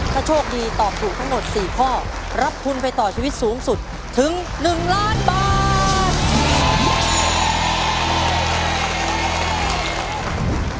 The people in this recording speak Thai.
ถ้าโชคดีตอบถูกทั้งหมด๔ข้อรับทุนไปต่อชีวิตสูงสุดถึง๑ล้านบาท